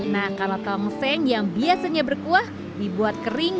nah kalau tongseng yang biasanya berkuah dibuat kering